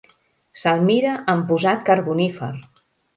Se'l mira amb posat carbonífer.